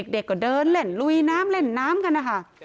เด็กก็เดินเล่นลุยน้ำเล่นน้ำกันนะคะ